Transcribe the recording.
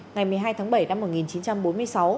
ngày một mươi hai tháng bảy năm một nghìn chín trăm bốn mươi sáu